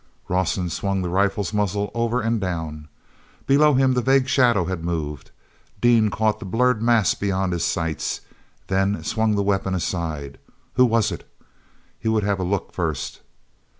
Rawson swung the rifle's muzzle over and down. Below him the vague shadow had moved. Dean caught the blurred mass beyond his sights, then swung the weapon aside. Who was it? He would have a look first.